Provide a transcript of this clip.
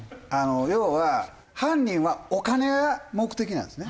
要は犯人はお金が目的なんですね。